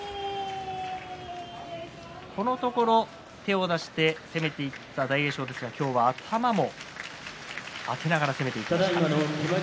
このところ手を出して攻めていった大栄翔ですが今日は頭も当てながら攻めていきました。